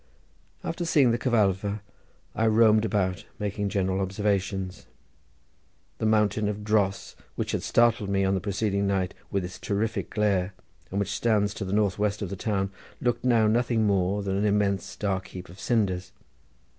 After seeing the Cyfartha I roamed about making general observations. The mountain of dross which had startled me on the preceding night with its terrific glare, and which stands to the north west of the town, looked now nothing more than an immense dark heap of cinders.